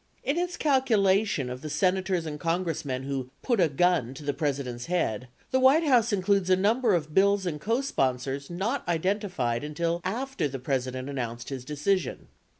In its calculation of the Senators and Congressmen who "put a gun" to the President's head, the White House includes a number of bills and cosponsors not identi fied until after the President announced his decision.